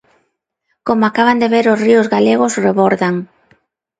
Como acaban de ver os ríos galegos rebordan.